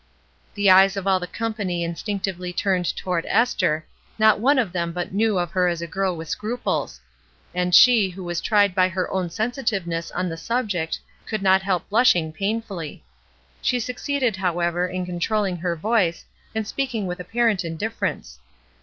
The eyes of all the company instinctively turned toward Esther; not one of them but knew of her as the girl with scruples; and she HARMONY AND DISCORD 127 who was tried by her own sensitiveness on the subject could not help blushing painfully. She succeeded, however, in controlling her voice and speaking with apparent indifference.